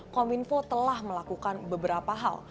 kominfo telah melakukan beberapa hal